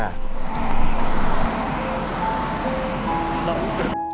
รองกอง